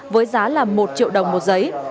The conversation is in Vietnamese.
với giá là một triệu đồng một giấy